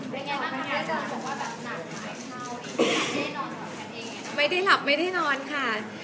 เป็นยังไม่ได้หลับไม่ได้นอนค่ะ